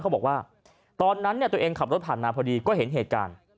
เขาบอกว่าตอนนั้นตัวเองขับรถผ่านมาพอดีก็เห็นเหตุการณ์